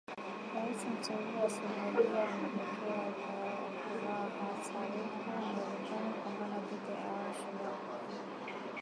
Raisi Mteule wa Somalia amepokea kwa furaha taarifa ya Marekani kupambana dhidi ya Al Shabaab